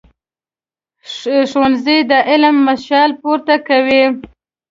ښوونځی د علم مشال پورته کوي